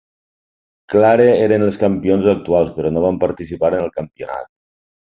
Clare eren els campions actuals però no van participar en el campionat.